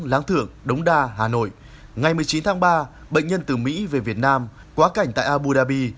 láng thượng đống đa hà nội ngày một mươi chín tháng ba bệnh nhân từ mỹ về việt nam quá cảnh tại abu dhabi